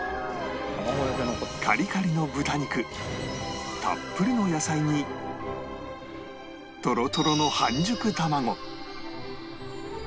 カリカリの豚肉たっぷりの野菜にトロトロの半熟卵